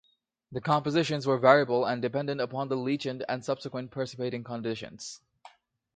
The compositions were variable and depended upon the leachant and subsequent precipitating conditions.